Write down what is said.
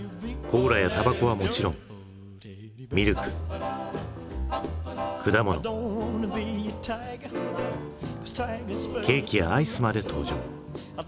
コーラやタバコはもちろんミルク果物ケーキやアイスまで登場。